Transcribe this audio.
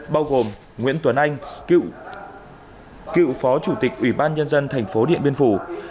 bao gồm nguyễn tuấn anh cựu phó chủ tịch ủy ban nhân dân thành phố điện biên phủ